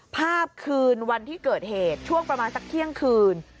คืนวันที่เกิดเหตุช่วงประมาณสักเที่ยงคืน